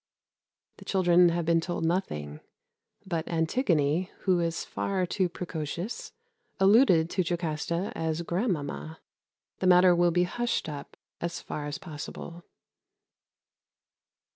The children have been told nothing; but Antigone, who is far too precocious, alluded to Jocasta as grand mamma. The matter will be hushed up as far as possible.